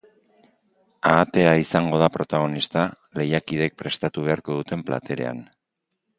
Ahatea izango da protagonista lehiakideek prestatu beharko duten platerean.